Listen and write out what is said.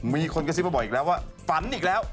มีคนครบผอยให้บอกว่าฝันอีกแล้ว